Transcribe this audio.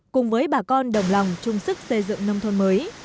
cùng với bà con đồng lòng chung sức xây dựng nông thôn mới